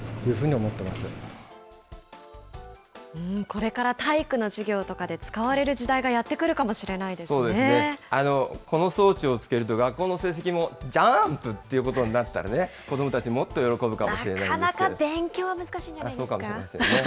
これから体育の授業とかで、使われる時代がやって来るかもしそうですね、この装置をつけると、学校の成績もジャンプということになったらね、子どもたち、なかなか勉強は難しいんじゃそうかもしれませんね。